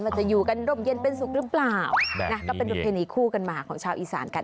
จะอยู่กันร่มเย็นเป็นสุขหรือเปล่านะก็เป็นประเพณีคู่กันมาของชาวอีสานกัน